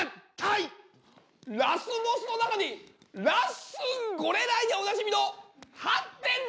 ラスボスの中にラッスンゴレライでおなじみの８．６